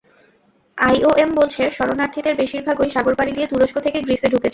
IOM বলছে, শরণার্থীদের বেশির ভাগই সাগর পাড়ি দিয়ে তুরস্ক থেকে গ্রিসে ঢুকেছে।